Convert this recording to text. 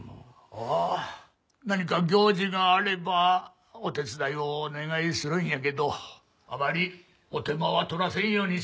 ああ何か行事があればお手伝いをお願いするんやけどあまりお手間は取らせんようにしますから。